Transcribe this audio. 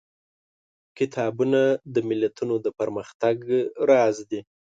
کتابونه د ملتونو د پرمختګ راز دي.